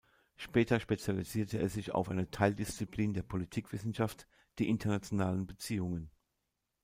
Später spezialisierte er sich auf eine Teildisziplin der Politikwissenschaft, die Internationalen Beziehungen.